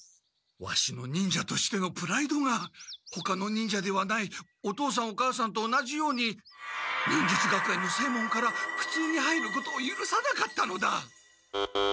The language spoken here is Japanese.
ほかの忍者ではないお父さんお母さんと同じように忍術学園の正門からふつうに入ることをゆるさなかったのだ。